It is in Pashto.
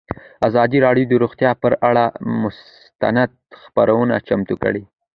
ازادي راډیو د روغتیا پر اړه مستند خپرونه چمتو کړې.